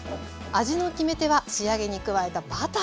味の決め手は仕上げに加えたバター。